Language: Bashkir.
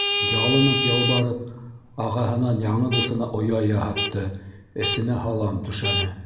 Ялынып-ялбарып ағаһынан яңы дуҫына оя яһатты, эсенә һалам түшәне...